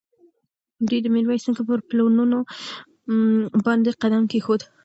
دوی د میرویس نیکه پر پلونو باندې قدم کېښود.